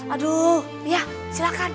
aduh iya silakan